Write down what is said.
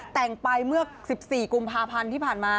แต่งไปเมื่อ๑๔กุมภาพันธ์ที่ผ่านมา